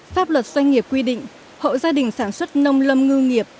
pháp luật doanh nghiệp quy định hộ gia đình sản xuất nông lâm ngư nghiệp